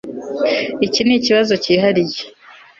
Iki nikibazo cyihariye